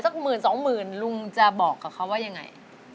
สัก๑๐๐๐๐๒๐๐๐๐บาทลุงจะบอกกับเขาว่ายังไง